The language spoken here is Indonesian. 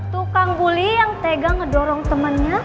tukang bully yang tega ngedorong temennya